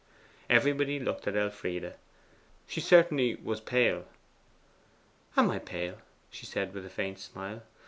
Everybody looked at Elfride. She certainly was pale. 'Am I pale?' she said with a faint smile.